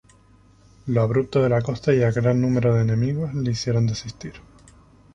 Lo abrupto de la costa y el gran número de enemigos, le hicieron desistir.